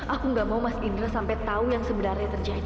aku gak mau mas indra sampai tahu yang sebenarnya terjadi